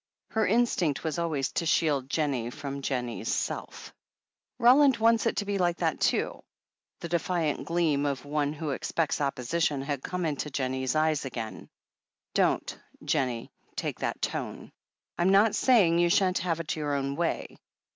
Her instinct was always to shield Jennie from Jen nie's self. "Roland wants it to be like that, too." The defiant gleam of one who expects opposition had come into Jennie's eyes again. "Don't, Jennie, take that tone. I'm not saying you shan't have it your own way.